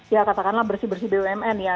ya katakanlah bersih bersih bumn ya